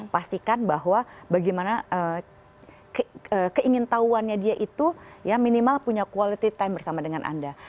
pastikan bahwa bagaimana keingin tahuannya dia itu ya minimal punya quality time bersama dengan anda